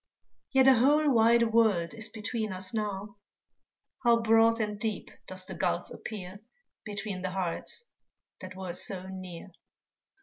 Yet a whole wide world is between us now; How broad and deep does the gulf appear Between the hearts that were so near!